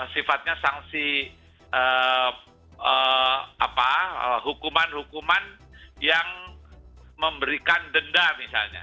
sifatnya sanksi hukuman hukuman yang memberikan denda misalnya